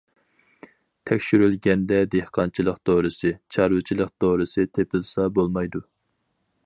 تەكشۈرۈلگەندە دېھقانچىلىق دورىسى، چارۋىچىلىق دورىسى تېپىلسا بولمايدۇ.